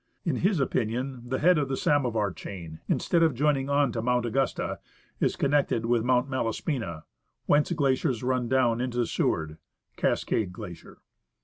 In his opinion, the head of the Samovar chain, instead of joining on to Mount Augusta, is connected with Mount Malaspina, whence glaciers run down into the Seward (Cascade Glacier).